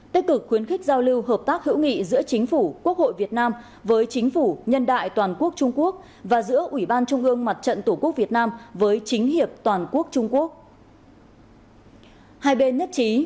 tích cực khuyến khích giao lưu hợp tác hữu nghị giữa chính phủ quốc hội việt nam với chính phủ nhân đại toàn quốc trung quốc và giữa ủy ban trung ương mặt trận tổ quốc việt nam với chính hiệp toàn quốc trung quốc